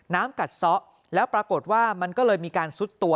กัดซะแล้วปรากฏว่ามันก็เลยมีการซุดตัว